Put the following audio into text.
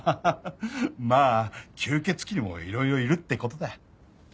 「まあ吸血鬼にも色々いるってことだ」